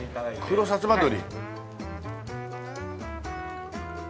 黒さつま鶏。